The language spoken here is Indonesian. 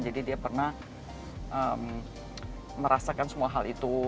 jadi dia pernah merasakan semua hal itu